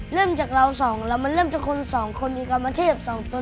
เริ่มจากเราสองแล้วมันเริ่มจากคนสองคนมีความมาเทียบสองตน